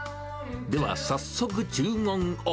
では、早速注文を。